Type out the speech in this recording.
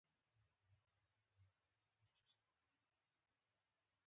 خپله داخبره را اخلي.